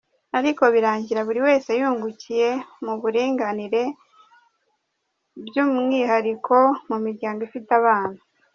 Ariko birangira buri wese yungukiye mu buringanire, by’umwihariko mu miryango ifite abana.